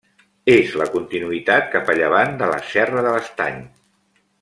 És la continuïtat cap a llevant de la Serra de l'Estany.